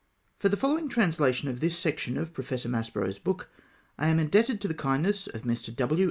[For the following translation of this section of Professor Maspero's book I am indebted to the kindness of Mr. W.